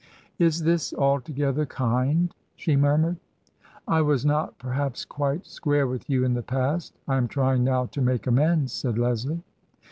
" Is this altogether kind ?" she murmured. " I was not, perhaps, quite square with you in the past. I am trying now to make amends," said Leslie.